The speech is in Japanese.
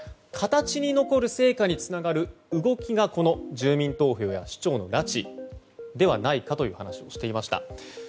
形に残る成果をつながる動きが住民投票や市長の拉致ではないかという話をしていました。